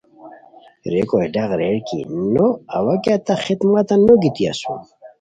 ریکو ہے ڈاق ریر کی نو اوا کیہ تہ خدمتہ نوگیتی اسوم